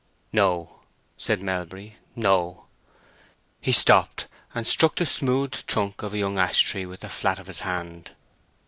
"No," said Melbury—"no." He stopped, and struck the smooth trunk of a young ash tree with the flat of his hand.